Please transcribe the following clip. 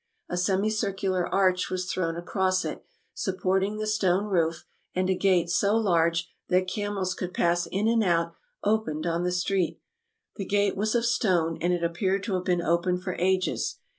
A semicircular arch was thrown across it, supporting the stone roof; and a gate so large that camels could pass in and out opened on the street. The gate was of stone, and it appeared to have been open for ages.